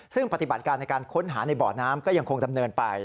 ซึ่งปฏิบัติการในการค้นหาในบ่อน้ำก็ยังคงดำเนินไป